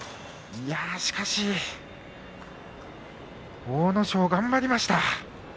いやあ、しかし阿武咲、頑張りました。